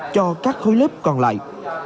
cho các khối lớp còn lại